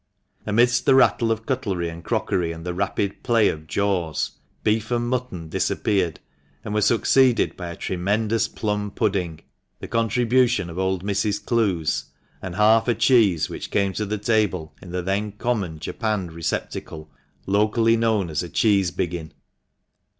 Amidst the rattle of cutlery and crockery, and the rapid play of jaws, beef and mutton disappeared, and were succeeded by a tremendous plum pudding — the contribution of old Mrs. Clowes — and half a cheese, which came to the table in the then common japanned receptacle locally known as a cheese biggin.